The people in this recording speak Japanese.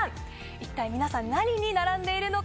一体皆さん何に並んでいるのか？